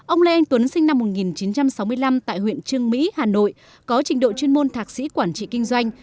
ông lê anh tuấn sinh năm một nghìn chín trăm sáu mươi năm tại huyện trương mỹ hà nội có trình độ chuyên môn thạc sĩ quản trị kinh doanh